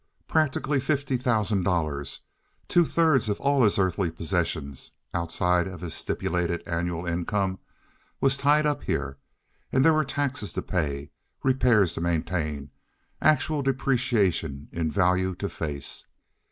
Practically fifty thousand dollars, two thirds of all his earthly possessions, outside of his stipulated annual income, was tied up here; and there were taxes to pay, repairs to maintain, actual depreciation in value to face.